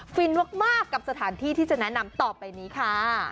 ฟินมากกับสถานที่ที่จะแนะนำต่อไปนี้ค่ะ